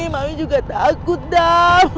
mami juga takut dam